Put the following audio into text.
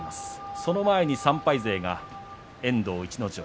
その前に３敗勢が遠藤、逸ノ城。